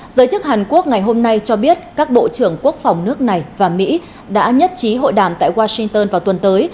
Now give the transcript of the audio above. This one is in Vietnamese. giới chức hàn quốc ngày hôm nay cho biết các bộ trưởng quốc phòng nước này và mỹ đã nhất trí hội đàm tại washington vào tuần tới